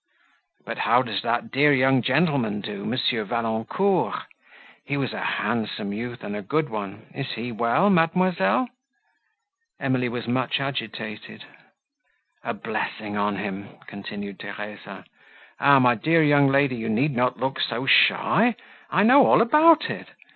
But how does that dear young gentleman do, M. Valancourt? he was a handsome youth, and a good one; is he well, mademoiselle?" Emily was much agitated. "A blessing on him!" continued Theresa. "Ah, my dear young lady, you need not look so shy; I know all about it.